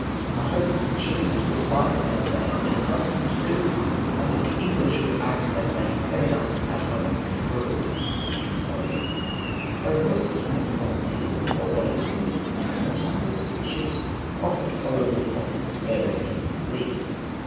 I hope that the Chilians will fight as they have been accustomed to do, and that the English will act as they have ever done at home and abroad." A request was made for volunteers, and the whole body of seamen and marines on board the three ships offered to follow Lord Cochrane wherever he might lead.